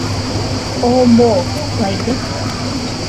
¿Oo moo jɨfaide?